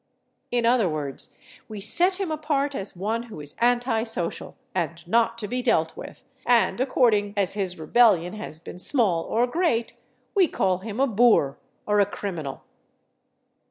In other words, we set him apart as one who is anti social and not to be dealt with, and according as his rebellion has been small or great, we call him a boor or a criminal.